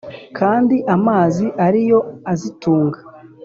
kandi amazi ari yo azitunga